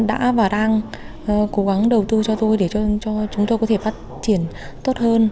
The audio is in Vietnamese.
đã và đang cố gắng đầu tư cho tôi để cho chúng tôi có thể phát triển tốt hơn